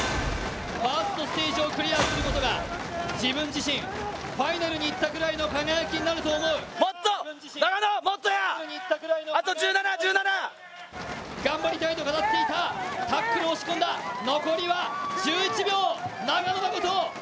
ファーストステージをクリアすることが自分自身、ファイナルにいったぐらいの輝きになると思う頑張りたいと語っていたタックルを押し込んだ、残りは１１秒、長野誠。